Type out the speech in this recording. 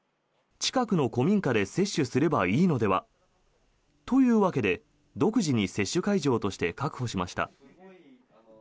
近くの古民家で接種すればいいのでは？というわけで独自に接種会場として確保しました。